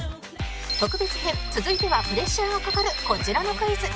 特別編続いてはプレッシャーがかかるこちらのクイズ